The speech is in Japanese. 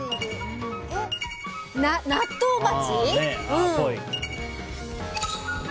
納豆鉢？